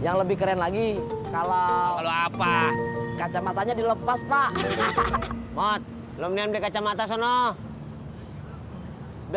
yang lebih keren lagi kalau apa kacamatanya dilepas pak mot belumnya kacamata sono biar